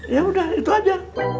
ya udah itu aja